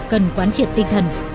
cần quán triệt tinh thần